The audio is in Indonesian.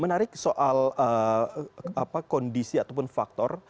menarik soal kondisi ataupun faktor